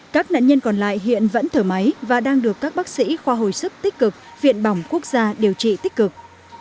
các nạn nhân còn lại hiện vẫn thở máy và đang được các bác sĩ khoa hồi sức tích cực viện bỏng quốc gia điều trị tích cực